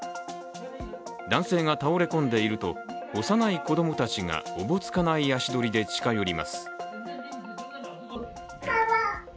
男性が倒れ込んでいると、幼い子供たちがおぼつかない足取りで近寄ります。